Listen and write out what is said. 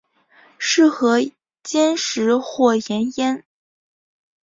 适合煎食或盐腌。